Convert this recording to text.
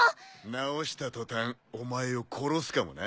治した途端お前を殺すかもな。